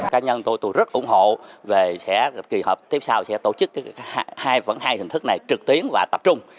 cá nhân tôi tôi rất ủng hộ về sẽ kỳ họp tiếp sau sẽ tổ chức hai phần hai hình thức này trực tuyến và tập trung